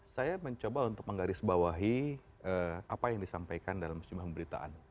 saya mencoba untuk menggarisbawahi apa yang disampaikan dalam sejumlah pemberitaan